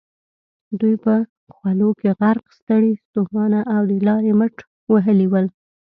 دوی په خولو کې غرق، ستړي ستومانه او د لارې مټ وهلي ول.